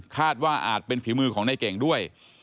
ว่าอาจเป็นฝีมือของในเก่งด้วย